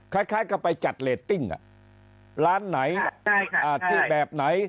คล้ายก็ไปจัดเรตติ้งอ่ะ